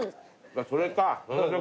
それか。